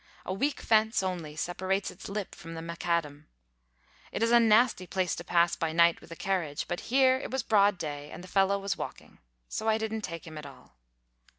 A weak fence only separates its lip from the macadam. It is a nasty place to pass by night with a carriage; but here it was broad day, and the fellow was walking. So I didn't take him at all.